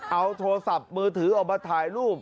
เอาโทรศัพท์มือถือออกมาถ่ายรูป